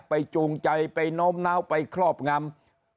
จูงใจไปโน้มน้าวไปครอบงำ